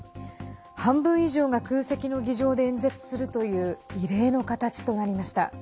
半分以上が空席の議場で演説するという異例の形となりました。